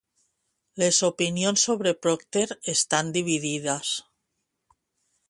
Les opinions sobre Procter estan dividides.